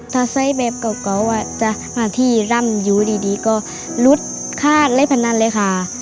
ถ้าใส่แบบเก่าอ่ะจะมาที่ร่ำอยู่ดีก็ลุดค่าอะไรแบบนั้นเลยค่ะ